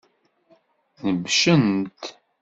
Nebcen-t.